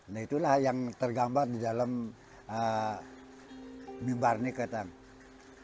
nah itulah yang tergambar di dalam mimbar ini katanya